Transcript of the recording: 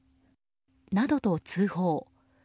などと通報。